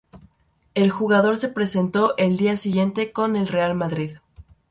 El jugador se presentó al día siguiente con el Real Madrid.